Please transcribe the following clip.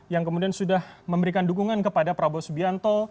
yang kemudian sudah memberikan dukungan kepada prabowo subianto